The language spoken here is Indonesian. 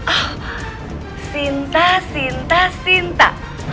oh sinta sinta sinta